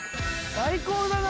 最高だな！